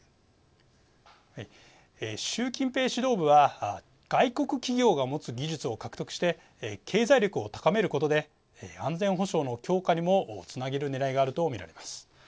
習近平指導部は外国企業が持つ技術を獲得して経済力を高めることで安全保障の強化にもつなげるねらいがあると見られます。